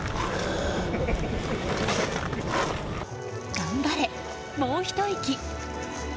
頑張れ、もうひと息！